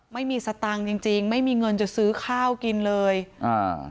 ไม่มีสตังค์จริงจริงไม่มีเงินจะซื้อข้าวกินเลยอ่า